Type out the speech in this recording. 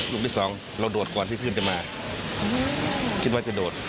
ที่สองเราโดดก่อนที่ขึ้นจะมาคิดว่าจะโดด